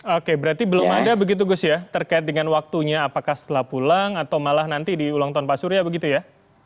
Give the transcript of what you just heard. oke berarti belum ada begitu gus ya terkait dengan waktunya apakah setelah pulang atau malah nanti di ulang tahun pak surya begitu ya